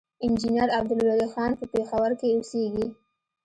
انجينير عبدالولي خان پۀ پېښور کښې اوسيږي،